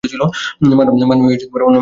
মা নয়, অন্য মেয়ের সাথে।